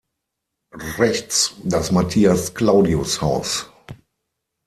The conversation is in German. Rechts das Matthias-Claudius-Haus.